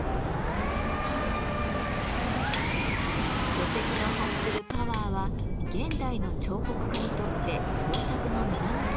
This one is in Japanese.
巨石の発するパワーは現代の彫刻家にとって創作の源となっています。